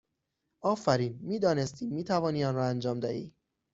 آفرین! می دانستیم می توانی آن را انجام دهی!